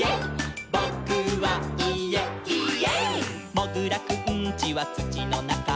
「もぐらくんちはつちのなか」「」